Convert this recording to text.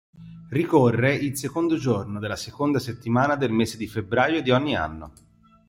Ricorre il secondo giorno della seconda settimana del mese di febbraio di ogni anno.